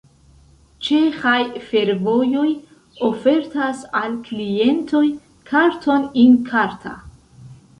Ĉeĥaj fervojoj ofertas al klientoj karton In-karta.